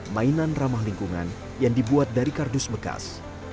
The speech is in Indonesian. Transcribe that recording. mainan ramah lingkungan yang dibuat dari kardus bekas